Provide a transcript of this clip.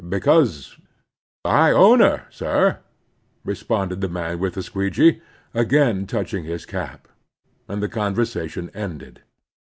Because I own her, sir," responded the man with the squeegee, again touching his cap; and the conversation ended.